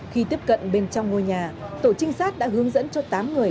khi tiếp cận bên trong ngôi nhà tổ trinh sát đã hướng dẫn cho tám người